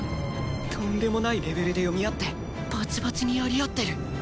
とんでもないレベルで読み合ってバチバチにやり合ってる